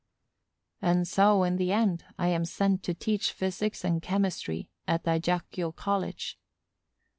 And so, in the end, I am sent to teach physics and chemistry at Ajaccio College.